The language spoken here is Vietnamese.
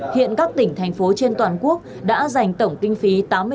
hiện các tỉnh thành phố trên toàn quốc đã giành tổng kinh phí